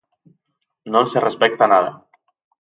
Non se respecta nada.